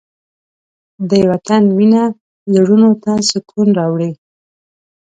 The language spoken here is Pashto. د وطن مینه زړونو ته سکون راوړي.